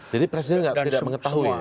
jadi presiden tidak mengetahui